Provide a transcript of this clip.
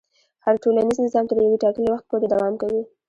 هر ټولنیز نظام تر یو ټاکلي وخته پورې دوام کوي.